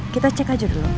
kita cek aja dulu ya